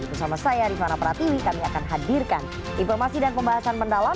bersama saya rifana pratiwi kami akan hadirkan informasi dan pembahasan mendalam